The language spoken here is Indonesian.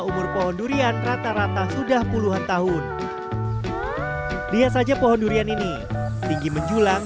umur pohon durian rata rata sudah puluhan tahun lihat saja pohon durian ini tinggi menjulang